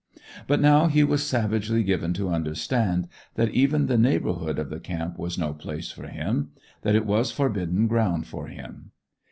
But now he was savagely given to understand that even the neighbourhood of the camp was no place for him; that it was forbidden ground for him.